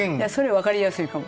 分かりやすいかも。